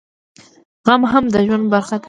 غم هم د ژوند برخه ده